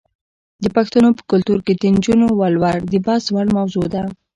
د پښتنو په کلتور کې د نجونو ولور د بحث وړ موضوع ده.